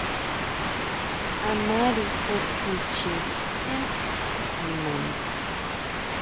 A mari jusian chji énn nimaná.